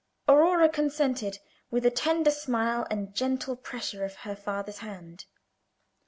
Aurora consented, with a tender smile and gentle pressure of her father's hand.